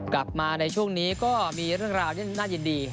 กลับมาในช่วงนี้ก็มีเรื่องราวที่น่ายินดี